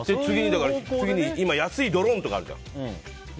次に、今安いドローンとかあるじゃん。